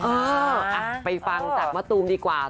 เอออ่ะไปฟังจากมะตูมดีกว่า